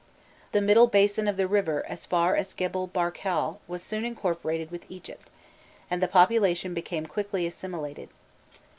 The middle basin of the river as far as Gebel Barkal was soon incorporated with Egypt, and the population became quickly assimilated.